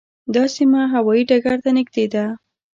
دا سیمه هوايي ډګر ته نږدې ده.